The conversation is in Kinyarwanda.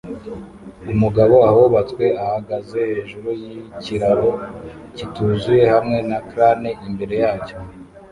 Umugabo ahubatswe ahagaze hejuru yikiraro kituzuye hamwe na crane imbere yacyo